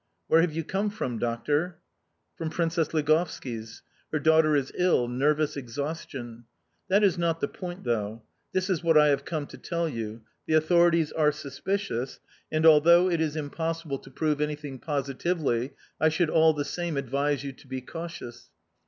"Where have you come from, doctor?" "From Princess Ligovski's; her daughter is ill nervous exhaustion... That is not the point, though. This is what I have come to tell you: the authorities are suspicious, and, although it is impossible to prove anything positively, I should, all the same, advise you to be cautious.